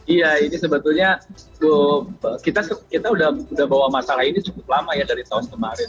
iya ini sebetulnya kita sudah bawa masalah ini cukup lama ya dari tahun kemarin